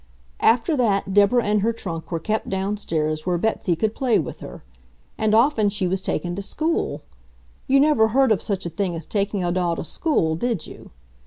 After that Deborah and her trunk were kept downstairs where Betsy could play with her. And often she was taken to school. You never heard of such a thing as taking a doll to school, did you?